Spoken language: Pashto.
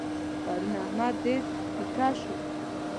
پرون احمد ډېر پيکه شو.